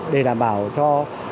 để đảm bảo cho